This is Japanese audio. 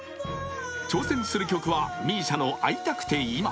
挑戦する曲はＭＩＳＩＡの「逢いたくていま」。